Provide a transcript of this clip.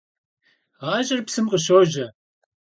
ГъащӀэр псым къыщожьэ.